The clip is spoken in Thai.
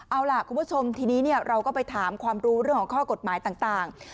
เอาล่ะคุณผู้ชมทีนี้เราก็ไปถามความรู้เรื่องของข้อกฎหมายต่าง